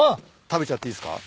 食べちゃっていいっすか？